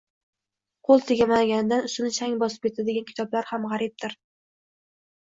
qo‘l tegmaganidan ustini chang bosib yotadigan kitoblar ham g‘aribdir.